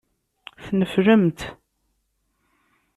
Tneflemt.